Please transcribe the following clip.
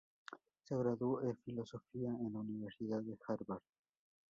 Se graduó e filosofía en la Universidad de Harvard.